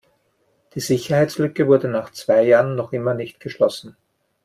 Die Sicherheitslücke wurde nach zwei Jahren noch immer nicht geschlossen.